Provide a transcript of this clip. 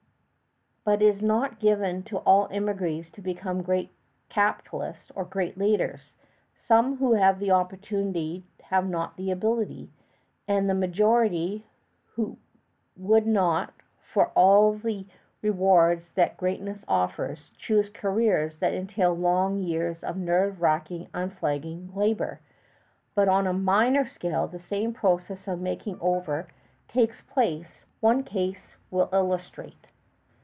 But it is not given to all émigré's to become great capitalists or great leaders. Some who have the opportunity have not the ability, and the majority would not, for all the rewards that greatness offers, choose careers that entail long years of nerve wracking, unflagging labor. But on a minor scale the same process of making over takes place. One case will illustrate.